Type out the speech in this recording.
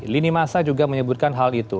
lini masa juga menyebutkan hal itu